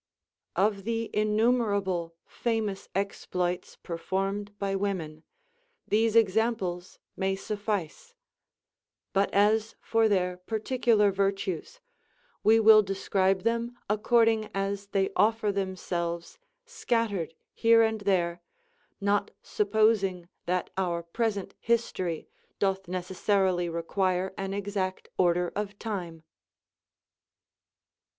Of the innumerable famous exploits performed by wo men, these examples may suffice. But as for their par ticular virtues, we will describe them according as they offer themselves scattered here and there, not supposing that our present history doth necessarily require an exact order of time.